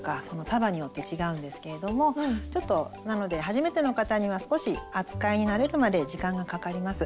束によって違うんですけれどもなので初めての方には少し扱いに慣れるまで時間がかかります。